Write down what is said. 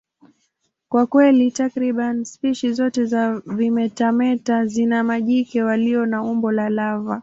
Kwa kweli, takriban spishi zote za vimetameta zina majike walio na umbo la lava.